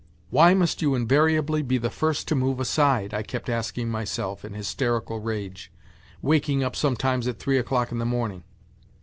" Why must you invariably be the first to move aside ?" I kept asking myself in hysterical rage, waking up sometimes at three o'clock in the morning.